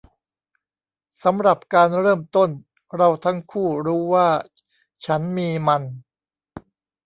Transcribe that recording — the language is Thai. สำหรับการเริ่มต้นเราทั้งคู่รู้ว่าฉันมีมัน